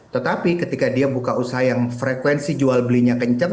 tetapi ketika dia buka usaha yang frekuensi jual belinya kencang